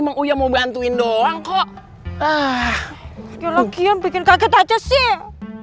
mau bantuin doang kok ah ya lagian bikin kaget aja sih